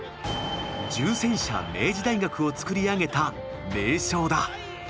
重戦車明治大学をつくり上げた名将だ。